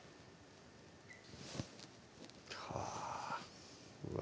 はぁうわ